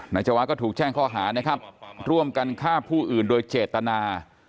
นายจะวะก็ถูกแช่งข้อเนาะร่วมกันฆ่าผู้อื่นโดยเจตนา